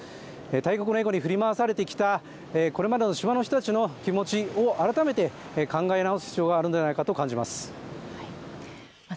大国のエゴに振り回されてきたこれまでの島の人たちの気持を改めて考え直す必要があるのではないかと感じます。